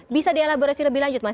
bisa di elaborasi lebih lanjut mas